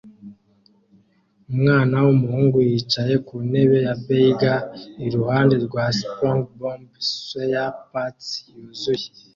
Umwana wumuhungu yicaye ku ntebe ya beige iruhande rwa SpongeBob SquarePants yuzuye